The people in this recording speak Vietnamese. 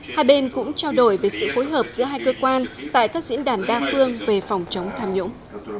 hai bên cũng trao đổi về sự phối hợp giữa hai cơ quan tại các diễn đàn đa phương về phòng chống tham nhũng